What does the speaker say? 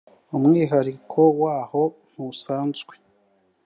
umwihariko waho ntusanzwe.